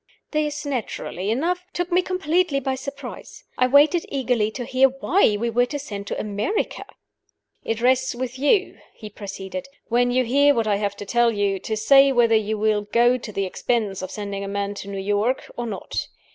This, naturally enough, took me completely by surprise. I waited eagerly to hear why we were to send to America. "It rests with you," he proceeded, "when you hear what I have to tell you, to say whether you will go to the expense of sending a man to New York, or not.